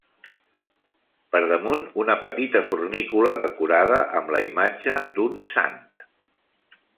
Per damunt, una petita fornícula decorada amb la imatge d'un sant.